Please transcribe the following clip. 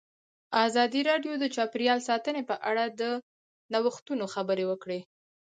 ازادي راډیو د چاپیریال ساتنه په اړه د نوښتونو خبر ورکړی.